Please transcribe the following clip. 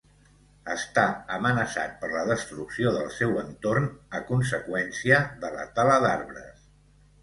Està amenaçat per la destrucció del seu entorn a conseqüència de la tala d'arbres.